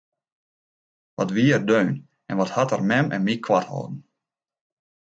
Wat wie er deun en wat hat er mem en my koart holden!